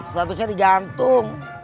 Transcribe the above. statusnya di jantung